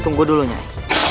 tunggu dulu nyai